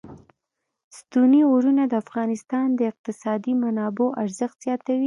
ستوني غرونه د افغانستان د اقتصادي منابعو ارزښت زیاتوي.